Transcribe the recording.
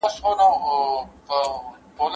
که فرضیې سمي نه وي د پلټني پایلي نه منل کیږي.